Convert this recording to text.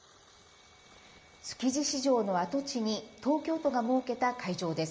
築地市場の跡地に東京都が設けた会場です。